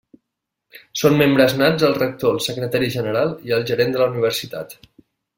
Són membres nats el rector, el secretari general i el gerent de la Universitat.